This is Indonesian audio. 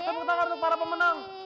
tepuk tangan untuk para pemenang